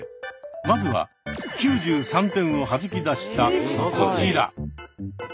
まずは９３点をはじき出したこちら。